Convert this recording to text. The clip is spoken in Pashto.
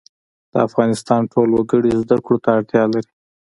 د افغانستان ټول وګړي زده کړو ته اړتیا لري